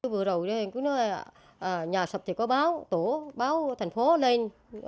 vừa đầu nhà sập thì có báo tổ báo thành phố lên